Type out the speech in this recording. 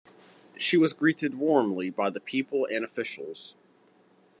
She was greeted warmly by the people and officials.